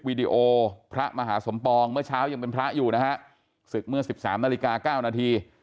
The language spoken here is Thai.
ดีโอพระมหาสมปองเมื่อเช้ายังเป็นพระอยู่นะฮะศึกเมื่อสิบสามนาฬิกาเก้านาที